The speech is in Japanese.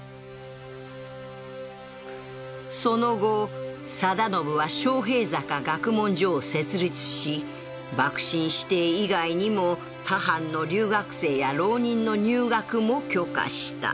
その後定信は昌平坂学問所を設立し幕臣子弟以外にも他藩の留学生や浪人の入学も許可した